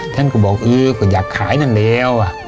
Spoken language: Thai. เห็นก็บอกอยากขายนั่นแร่